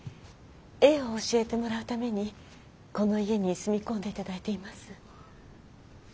絵を教えてもらうためにこの家に住み込んでいただいています。